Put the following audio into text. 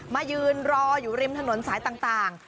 มายืนรออยู่ริมถนนสายต่าง